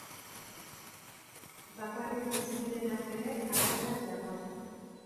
Bakarrik bizi direnak ere arretaz jagon.